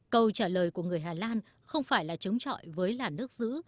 câu trả lời của người hà lan không phải là chống trọi với làn nước giữ